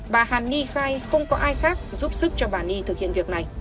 bà hàn nhi khai không có ai khác giúp sức cho bà nhi thực hiện việc này